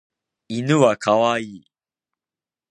犬はかわいい